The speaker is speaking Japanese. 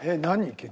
結局。